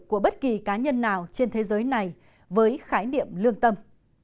của bất kỳ cá nhân nào trên thế giới này với khái niệm lương tâm